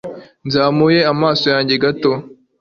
Nzamuye amaso yanjye gato